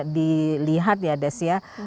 dilihat ya desya